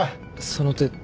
その手